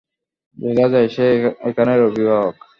বোঝা যায় সেই এখানের অভিবাবক।